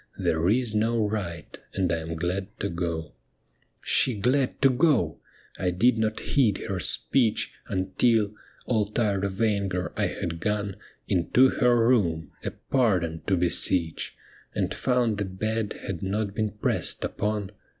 There is no right, and I am glad to go.' She glad to go I — I did not heed her speech Until, all tired of anger, I had gone Into her room, a pardon to beseech, And found the bed had not been pressed upon.